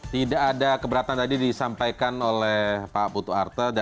tidak ada keberatan tadi disampaikan oleh pak putu arte